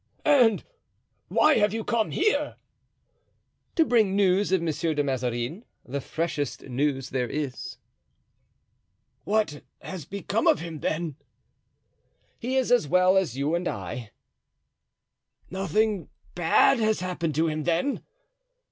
"And why have you come here?" "To bring news of Monsieur de Mazarin—the freshest news there is." "What has become of him, then?" "He is as well as you and I." "Nothing bad has happened to him, then?"